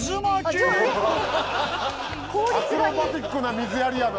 アクロバティックな水やりやな。